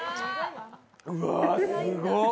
うわ、すごっ。